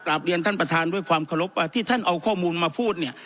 กราบเรียนท่านประธานด้วยความขอรบที่ท่านเอาข้อมูลมาพูด